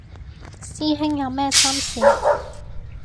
師兄有咩心事